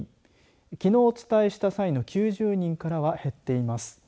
きのうお伝えした際の９０人からは減っています。